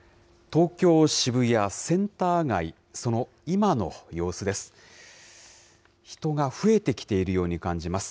東京・渋谷センター街、その今の様子です。